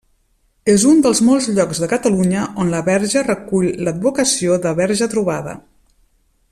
És un dels molts llocs de Catalunya on la Verge recull l'advocació de Verge trobada.